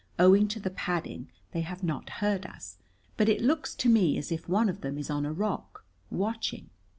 "Owing to the padding they have not heard us, but it looks to me as if one of them is on a rock, watching."